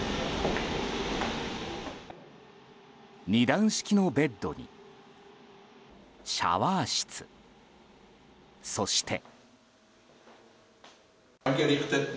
２段式のベッドにシャワー室そして。